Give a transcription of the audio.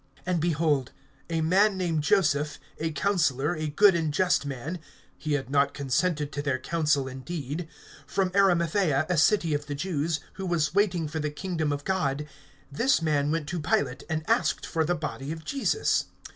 (50)And, behold, a man named Joseph, a counselor, a good and just man, (51)(he had not consented to their counsel and deed), from Arimathaea a city of the Jews, who was waiting for the kingdom of God, (52)this man went to Pilate, and asked for the body of Jesus.